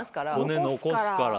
骨残すからだ。